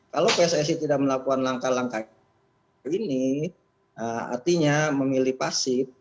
kalau pssi tidak melakukan langkah langkah ini artinya memilih pasif